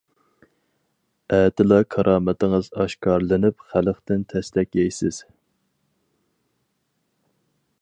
-ئەتىلا كارامىتىڭىز ئاشكارىلىنىپ خەلقتىن تەستەك يەيسىز.